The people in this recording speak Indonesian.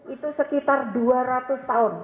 itu sekitar dua ratus tahun